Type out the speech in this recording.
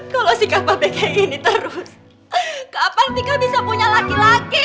kalau sikap pbg ini terus kapan tika bisa punya laki laki